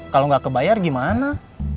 kalau nggak kebayar gimana